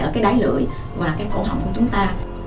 ở cái đáy lưỡi và cái cổ họng của chúng ta